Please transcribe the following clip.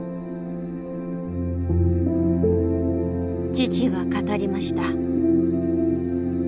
父は語りました。